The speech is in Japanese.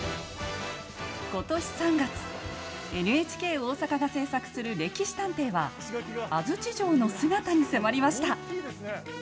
今年３月ＮＨＫ大阪が制作する「歴史探偵」は安土城の姿に迫りました。